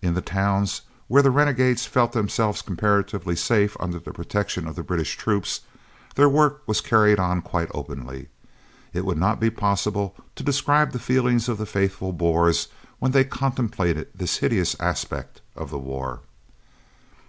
In the towns, where the renegades felt themselves comparatively safe under the protection of the British troops, their work was carried on quite openly. It would not be possible to describe the feelings of the faithful Boers when they contemplated this hideous aspect of the war.